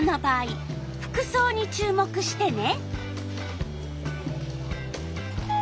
服そうに注目してね。